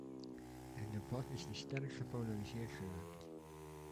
Het debat is te sterk gepolariseerd geraakt.